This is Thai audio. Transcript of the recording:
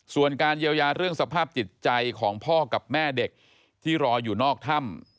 ส่วนการเยียวยาเรื่องสภาพจิตใจของพ่อกับแม่เด็กที่รออยู่นอกถ้ำ